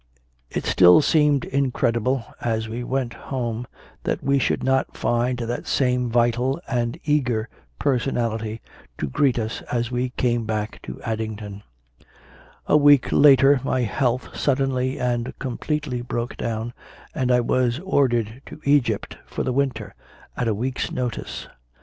It still seemed incredible, as we went home, that we should not find that same vital and eager per sonality to greet us as we came back to Addington. CONFESSIONS OF A CONVERT 41 A week later my health suddenly and completely broke down and I was ordered to Egypt for the winter, at a week s notice.